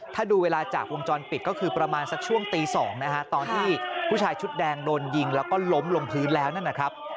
ถ้าดูเวลาจากวงจรปิดก็คือประมาณสักช่วงตี๒นะฮะตอนที่ผู้ชายชุดแดงโดนยิงแล้วก็ล้มลงพื้นแล้วนั่นนะครับ